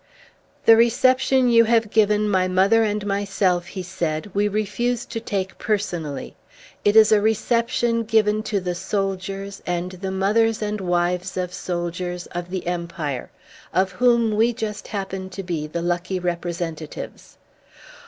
"The reception you have given my mother and myself," he said, "we refuse to take personally. It is a reception given to the soldiers, and the mothers and wives of soldiers, of the Empire, of whom we just happen to be the lucky representatives.